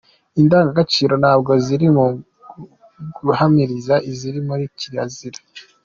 Indangagaciro ntabwo ziri mu guhamiriza, ziri muri kirazira.